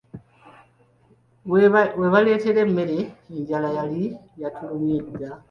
Webaleetera emmere, enjala yali yatulumye dda.